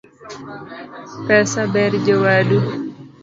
Pesa ber jowadu